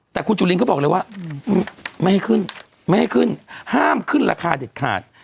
แต่คุณจุลินก็บอกเลยว่าไม่ให้ขึ้นไม่ให้ขึ้นห้ามขึ้นราคาเด็ดขาด